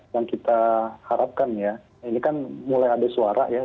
yang kita harapkan ya ini kan mulai ada suara ya